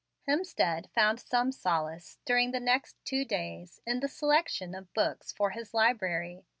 Hemstead found some solace, during the next two days, in the selection of books for his library.